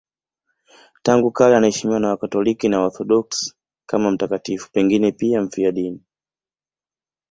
Tangu kale anaheshimiwa na Wakatoliki na Waorthodoksi kama mtakatifu, pengine pia mfiadini.